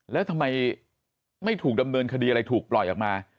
แล้วทำไมไม่ถูกดำเนินคดีอะไรถูกปล่อยออกมา